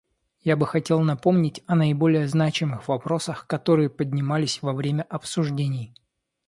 Я бы хотел напомнить о наиболее значимых вопросах, которые поднимались во время обсуждений.